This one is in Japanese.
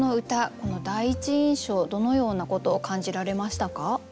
この第一印象どのようなことを感じられましたか？